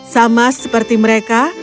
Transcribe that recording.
sama seperti mereka